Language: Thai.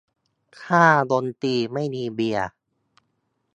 ถ้าดนตรีไม่มีเบียร์